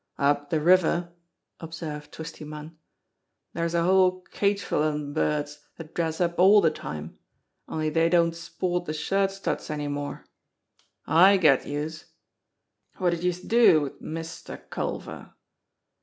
"Up de river," observed Twisty Munn, "dere's a whole cageful of dem birds dat dress up all de time only dey don't JACKALS 201 sport de shirt studs any more. I get youse ! Wot did youse do wid Mister Culver